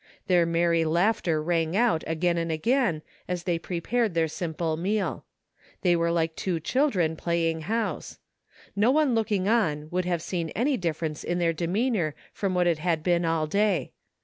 Their merry laughter rang out again and again as they prepared their simple meal. They were like two children play ing house. No one looking on would have seen any difference in their demeanor from what it had been all day.